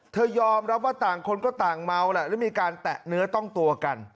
ยอมรับว่าต่างคนก็ต่างเมาแหละแล้วมีการแตะเนื้อต้องตัวกัน